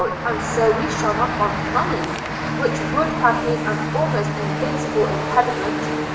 and so we shall not want money, which would have been an almost invincible impediment.